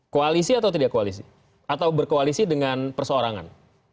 koalisi atau tidak koalisi atau berkoalisi dengan perseorangan